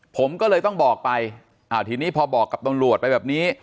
ผมก็เลยต้องบอกไปอ่าทีนี้พอบอกกับตำรวจไปแบบนี้